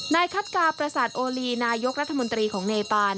คัดกาประสาทโอลีนายกรัฐมนตรีของเนปาน